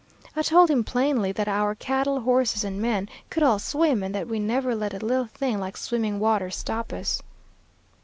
I told him plainly that our cattle, horses, and men could all swim, and that we never let a little thing like swimming water stop us.